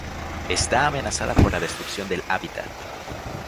Está amenazada por la destrucción del hábitat.